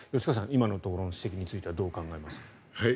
今のところの指摘についてはどう考えますか。